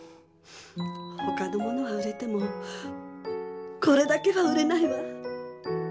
ほかのものは売れてもこれだけは売れないわ。